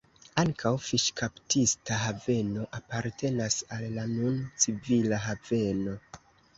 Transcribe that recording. Ankaŭ fiŝkaptista haveno apartenas al la nun civila haveno.